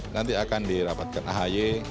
nanti akan dirapatkan ahy